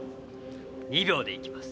２秒でいきます。